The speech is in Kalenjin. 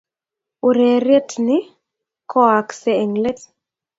urerit ni koakse eng let